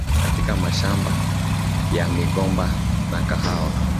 katika mashamba ya migomba na kahawa